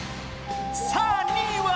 さあ２位は？